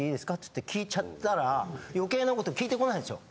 って聞いちゃったら余計なこと聞いてこないんですよ。